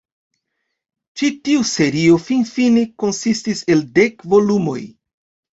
Ĉi tiu serio finfine konsistis el dek volumoj.